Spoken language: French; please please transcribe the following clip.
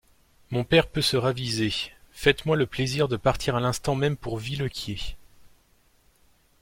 Mon père peut se raviser ; faites-moi le plaisir de partir à l'instant même pour Villequier.